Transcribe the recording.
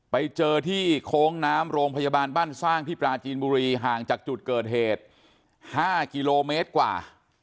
ไปเจอที่โค้งน้ำโรงพยาบาลบ้านสร้างที่ปราจีนบุรีห่างจากจุดเกิดเหตุ๕กิโลเมตรกว่า